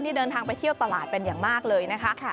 เดินทางไปเที่ยวตลาดเป็นอย่างมากเลยนะคะ